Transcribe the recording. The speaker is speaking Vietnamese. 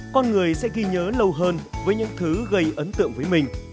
con người sẽ ghi nhớ lâu hơn với những thứ gây ấn tượng với mình